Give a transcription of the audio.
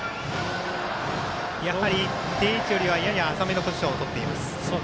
定位置よりはやや浅めのポジションをとっています。